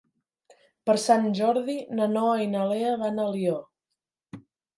Per Sant Jordi na Noa i na Lea van a Alió.